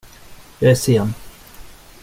Jag är sen.